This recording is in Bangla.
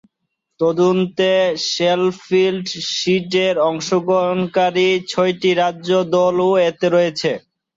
তন্মধ্যে শেফিল্ড শীল্ডে অংশগ্রহণকারী ছয়টি রাজ্য দলও এতে রয়েছে।